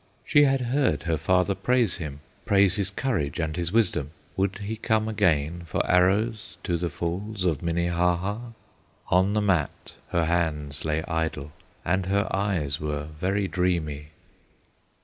She had heard her father praise him, Praise his courage and his wisdom; Would he come again for arrows To the Falls of Minnehaha? On the mat her hands lay idle, And her eyes were very dreamy.